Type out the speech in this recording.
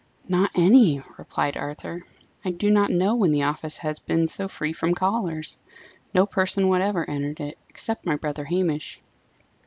"Not any," replied Arthur. "I do not know when the office has been so free from callers. No person whatever entered it, except my brother Hamish."